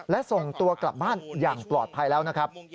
และส่งตัวกลับบ้านอย่างปลอดภัยแล้วนะครับ